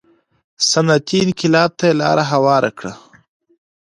صنعتي انقلاب ته لار هواره کړه.